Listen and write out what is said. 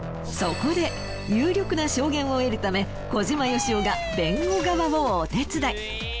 そこで有力な証言を得るため小島よしおが弁護側をお手伝い。